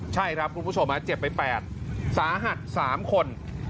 ใช่ครับคุณผู้ชมเจ็บไป๘สาหัส๓คน